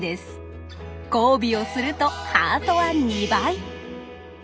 交尾をするとハートは２倍！